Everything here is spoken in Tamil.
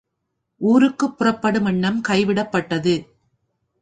ஊருக்குப் புறப்படும் எண்ணம் கைவிடப்பட்டது.